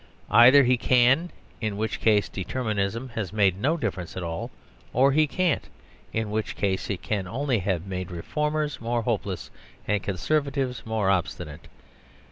Either he can, in which case Determinism has made no difference at all, or he can't, in which case it can only have made reformers more hopeless and Conservatives more obstinate.